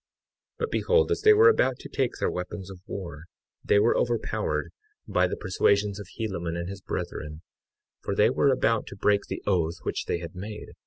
53:14 But behold, as they were about to take their weapons of war, they were overpowered by the persuasions of Helaman and his brethren, for they were about to break the oath which they had made.